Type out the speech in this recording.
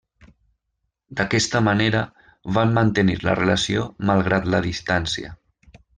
D'aquesta manera van mantenir la relació malgrat la distància.